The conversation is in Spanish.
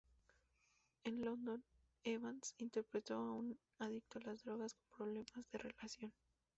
En "London", Evans interpretó a un adicto a las drogas con problemas de relación.